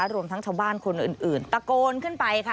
รวมทั้งชาวบ้านคนอื่นตะโกนขึ้นไปค่ะ